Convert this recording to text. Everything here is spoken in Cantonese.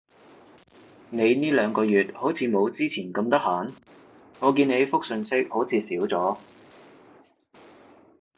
你呢兩個月好似冇之前咁得閒？我見你覆訊息好似少咗